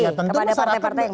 ya tentu masyarakat